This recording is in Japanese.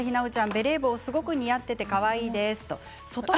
ベレー帽すごく似合っていてかわいいです。